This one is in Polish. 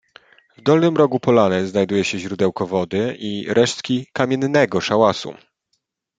W dolnym rogu polany znajduje się źródełko wody i resztki kamiennego szałasu.